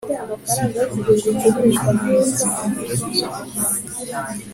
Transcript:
sinshobora kumenya icyo umwanditsi agerageza kuvuga